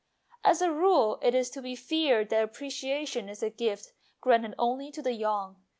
As a rule it is to be feared that apprecia tion is a gift granted only to the young.